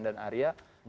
dan arya juga